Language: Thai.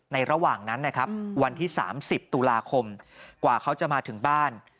ระหว่างนั้นนะครับวันที่๓๐ตุลาคมกว่าเขาจะมาถึงบ้าน